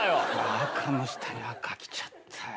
赤の下に赤着ちゃったよ。